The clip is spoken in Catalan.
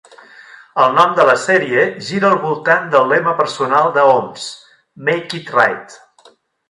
El nom de la sèrie gira al voltant del lema personal de Oms, "Make It Right".